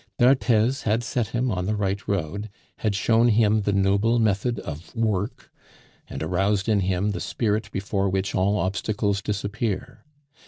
D'Arthez had set him on the right road, had shown him the noble method of work, and aroused in him the spirit before which all obstacles disappear.